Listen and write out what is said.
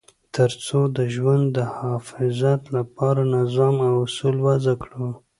تر څو د ژوند د حفاظت لپاره نظام او اصول وضع کړو.